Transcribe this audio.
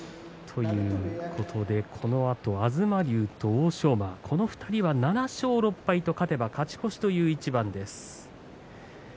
このあと東龍と欧勝馬この２人は７勝６敗と勝てば勝ち越しという一番です。